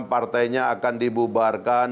partainya akan dibubarkan